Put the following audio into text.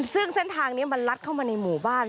ซึ่งเส้นทางนี้มันลัดเข้ามาในหมู่บ้าน